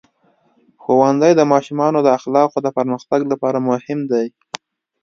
ښوونځی د ماشومانو د اخلاقو د پرمختګ لپاره مهم دی.